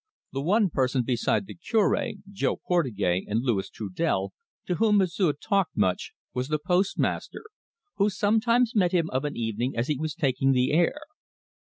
The one person beside the Cure, Jo Portugais, and Louis Trudel, to whom M'sieu' talked much, was the postmaster, who sometimes met him of an evening as he was taking the air.